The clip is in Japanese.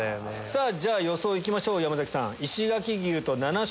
じゃ予想いきましょう山さん。